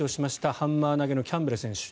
ハンマー投のキャンベル選手。